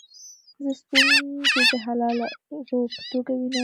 زه ستونزي د حللارو په توګه وینم.